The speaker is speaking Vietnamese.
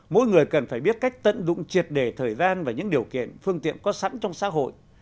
mỗi người cần phải biết cách tận dụng triệt đề thời gian và những điều kiện phương tiện có sẵn trong xã hội